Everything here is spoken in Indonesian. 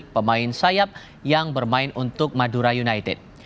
pemain sayap yang bermain untuk madura united